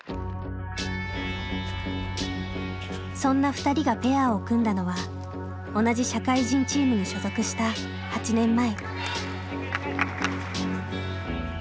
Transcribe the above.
そんなふたりがペアを組んだのは同じ社会人チームに所属した８年前。